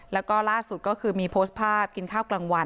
แล้วก็ล่าสุดก็คือมีโพสต์ภาพกินข้าวกลางวัน